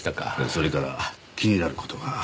それから気になる事が。